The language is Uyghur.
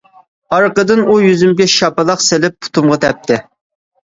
ئارقىدىن ئۇ يۈزۈمگە شاپىلاق سېلىپ، پۇتۇمغا تەپتى.